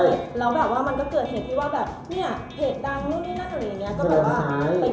อีกแห่งว่าแบบเพจดังอะไรอย่างนี้